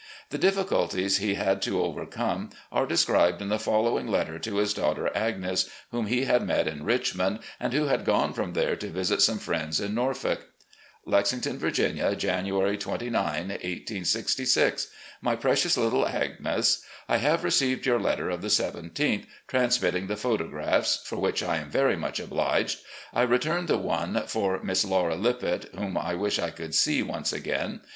The difficulties he had to overcome are described in the following letter to his daughter Agnes, whom he had met in Richmond, and who had gone from there to visit some friends in Norfolk: "Lexington, Virginia, January 29, 1866. "My Precious Little Agnes: I have received your letter of the 1 7th, transmitting the photographs, for which I am very much obliged. I returned the one for Miss Laura Lippett, whom I wish I could see once again.